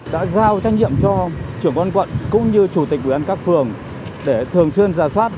đã giao trách nhiệm cho trưởng quan quận cũng như chủ tịch quỹ ăn cắp phường để thường truyền giả soát